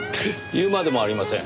言うまでもありません。